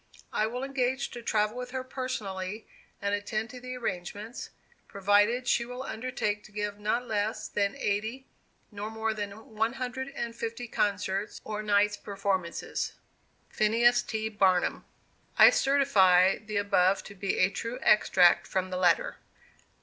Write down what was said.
I will engage to travel with her personally and attend to the arrangements, provided she will undertake to give not less than eighty nor more than one hundred and fifty concerts, or nights' performances. PHINEAS T. BARNUM. I certify the above to be a true extract from the letter.